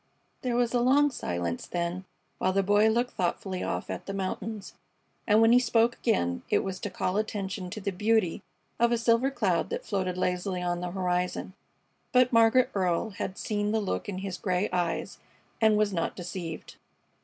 There was a long silence then, while the Boy looked thoughtfully off at the mountains, and when he spoke again it was to call attention to the beauty of a silver cloud that floated lazily on the horizon. But Margaret Earle had seen the look in his gray eyes and was not deceived.